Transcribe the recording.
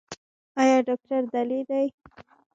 ایا ډاکټر دلې دی؟